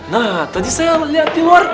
nah tadi saya lihat di luar